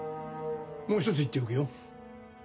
もう１つ言っておくよ。